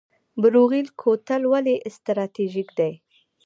بروغیل کوتل ولې استراتیژیک دی؟